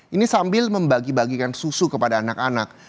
ini sambil membagi bagikan susu kepada anak anak